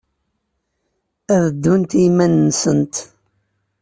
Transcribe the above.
Ad ddunt i yiman-nsent.